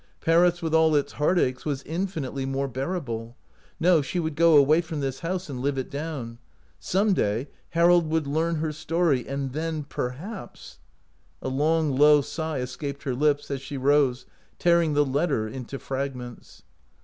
Paris, with all its heartaches, was infinitely more bearable. No; she would go away from this house and live it down. Some day Harold would learn her story, and then — perhaps — A long, low sigh escaped her lips as she rose, tearing the letter into fragments.